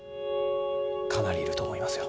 かなりいると思いますよ。